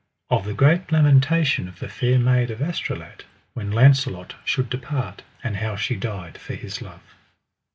Of the great lamentation of the Fair Maid of Astolat when Launcelot should depart, and how she died for his love.